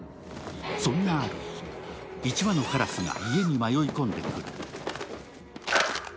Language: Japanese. そんなある日、一羽のカラスが家に迷い込んでくる。